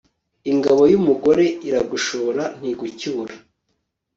ingabo y'umugore iragushora ntigucyura